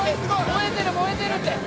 燃えてる燃えてるって！